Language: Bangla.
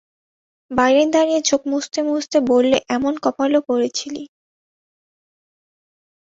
বাইরে দাঁড়িয়ে চোখ মুছতে মুছতে বললে, এমন কপালও করেছিলি।